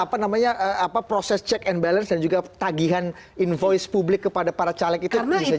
apa namanya proses check and balance dan juga tagihan invoice publik kepada para caleg itu bisa jadi